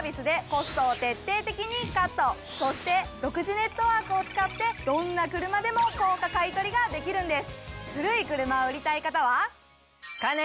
そして独自ネットワークを使ってどんな車でも高価買取ができるんです！